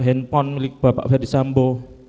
handphone milik bapak ferdisambo